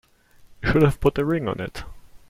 You should have put a ring on it.